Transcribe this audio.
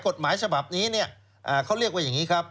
กฎหมายฉบับนี้เนี่ยเขาเรียกว่าอย่างนี้ครับ